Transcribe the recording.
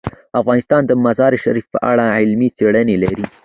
افغانستان د مزارشریف په اړه علمي څېړنې لري.